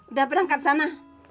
udah berangkat sana